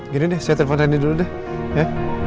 gini deh saya telepon reni dulu deh ya